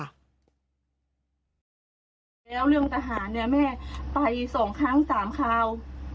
แล้วเรื่องทหารแม่ไปส่งครั้ง๓คราว